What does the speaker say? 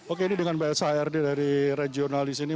oke ini dengan bahasa ard dari regional di sini